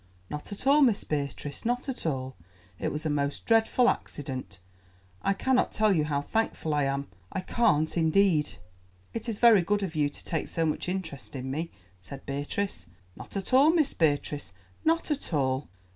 "Not at all, Miss Beatrice, not at all; it was a most dreadful accident. I cannot tell you how thankful I am—I can't, indeed." "It is very good of you to take so much interest in me," said Beatrice. "Not at all, Miss Beatrice, not at all.